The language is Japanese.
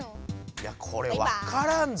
・いやこれわからんぞ。